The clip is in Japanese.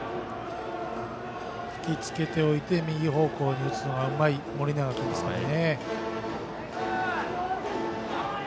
ひきつけておいて右方向に打つのがうまい盛永君ですからね。